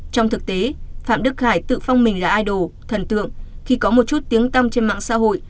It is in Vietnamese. trong thực tế phạm đức khải tự phong mình là idol thần tượng khi có một chút tiếng tăm trên mạng xã hội